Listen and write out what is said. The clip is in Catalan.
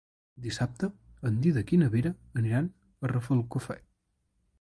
Dissabte en Dídac i na Vera aniran a Rafelcofer.